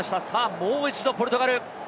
もう一度ポルトガル。